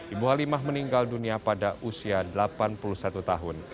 ibu halimah meninggal dunia pada usia delapan puluh satu tahun